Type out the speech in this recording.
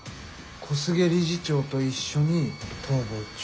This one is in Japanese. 小菅理事長と一緒に逃亡中。